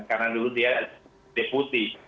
karena dulu dia deputi